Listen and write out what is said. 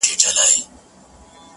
o زه دي په دعا کي یادومه نور,